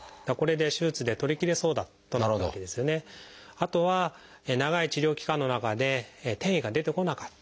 あとは長い治療期間の中で転移が出てこなかった。